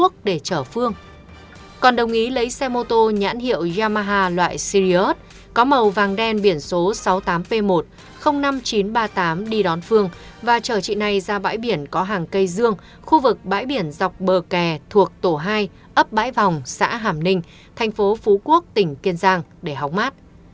còn đồng ý lấy xe mô tô nhãn hiệu yamaha loại sirius có màu vàng đen biển số sáu mươi tám p một năm nghìn chín trăm ba mươi tám đi đón phương và chở chị này ra bãi biển có hàng cây dương khu vực bãi biển dọc bờ kè thuộc tổ hai ấp bãi vòng xã hàm ninh thành phố phú quốc tỉnh kiên giang để hóng mát